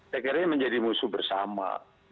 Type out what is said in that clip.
saya kira ini menjadi musuh bersama